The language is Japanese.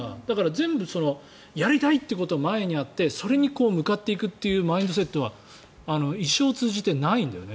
全部やりたいっていうことが前にあってそれに向かっていくっていうマインドセットは一生を通じてないんだよね。